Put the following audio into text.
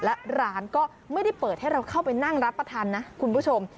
และร้านก็ไม่ได้เปิดให้เราเข้าไปนั่งรับประทานนะคุณผู้ชม